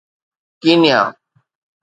Kenya